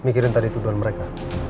mikirin tadi tuduhan mereka